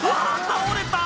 倒れた！